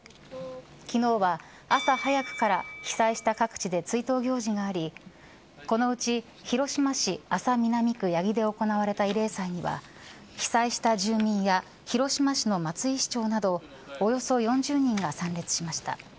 昨日は朝早くから被災した各地で追悼行事がありこのうち広島市安佐南区八木で行われた慰霊祭には被災した住民や広島市の松井市長などおよそ４０人が参列しました。